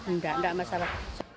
enggak enggak masalah